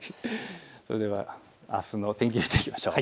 それではあすの天気を見ていきましょう。